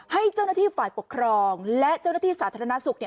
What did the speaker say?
ให้เจ้าหน้าที่ฝ่ายปกครองและเจ้าหน้าที่สาธารณสุข